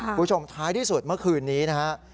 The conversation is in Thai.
คุณผู้ชมท้ายที่สุดเมื่อคืนนี้นะฮะ